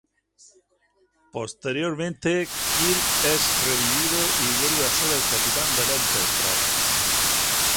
Posteriormente, Kirk es revivido y vuelve a ser el capitán del "Enterprise".